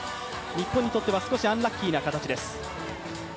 日本にとっては少しアンラッキーな形です。